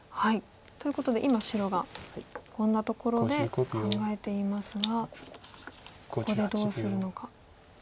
ということで今白がヘコんだところで考えていますがここでどうするのか。